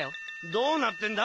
どうなってんだ？